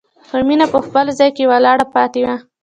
خو مينه په خپل ځای کې ولاړه پاتې وه.